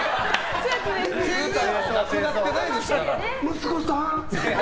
息子さん？